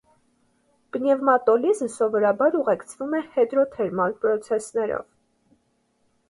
Պնեվմատոլիզը սովորաբար ուղեկցվում է հիդրոթերմալ պրոցեսներով։